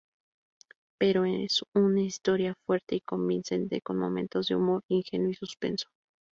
Pero es una historia fuerte y convincente con momentos de humor, ingenio y suspenso".